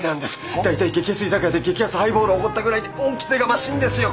は？大体激安居酒屋で激安ハイボールおごったぐらいで恩着せがましいんですよ